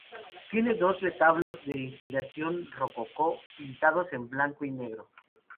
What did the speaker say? Tiene dos retablos de inspiración Rococó, pintados en blanco y negro.